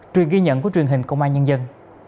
truyền ghi nhận của truyền hình công an nhân dân